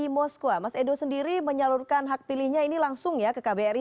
maswa mas edo sendiri menyalurkan hak pilihnya ini langsung ya ke kbri